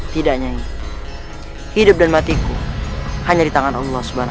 tidak nyanyi hidup dan matiku hanya di tangan allah swt